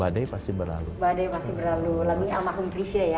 badai pasti berlalu lagunya al mahumidrisya ya